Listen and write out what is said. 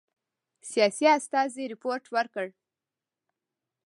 سیاسي استازي رپوټ ورکړ.